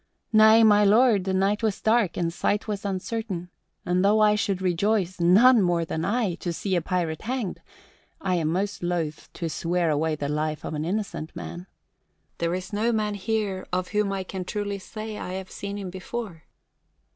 "Nay, my lord, the night was dark and sight was uncertain; and though I should rejoice none more than I! to see a pirate hanged, I am most loath to swear away the life of an innocent man. There is no man here of whom I can truly say I have seen him before."